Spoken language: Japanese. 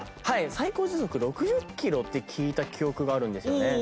最高時速６０キロって聞いた記憶があるんですよね。